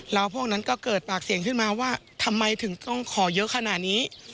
แล้วพวกนั้นก็เกิดปากเสียงขึ้นมาว่าทำไมถึงต้องขอเยอะขนาดนี้